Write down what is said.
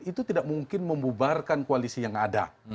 itu tidak mungkin membubarkan koalisi yang ada